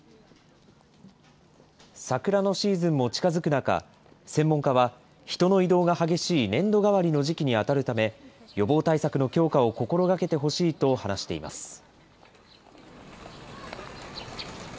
桜のシーズンも近づく中、専門家は、人の移動が激しい年度替わりの時期に当たるため、予防対策の強化を心がけてほしいと話しています。